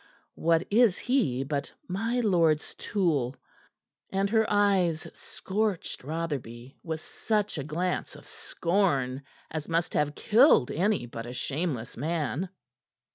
What is he but my lord's tool?" And her eyes scorched Rotherby with such a glance of scorn as must have killed any but a shameless man.